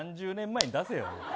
３０年前に出せよ。